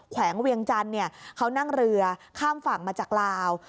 วงเวียงจันทร์เขานั่งเรือข้ามฝั่งมาจากลาว